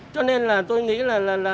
cho nên là tôi nghĩ là